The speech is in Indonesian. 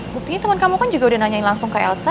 buktinya teman kamu kan juga udah nanyain langsung ke elsa